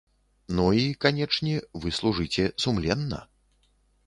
Ну, і, канечне, вы служыце сумленна.